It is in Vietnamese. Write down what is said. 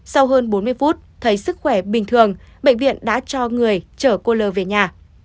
sau hơn bốn mươi phút thấy sức khỏe bình thường bệnh viện đã cho người chở cô lơ về nhà